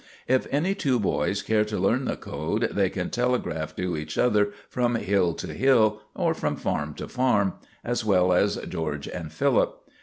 If any two boys care to learn the code, they can telegraph to each other from hill to hill, or from farm to farm, as well as George and Philip.